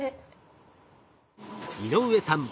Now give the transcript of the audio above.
井上さん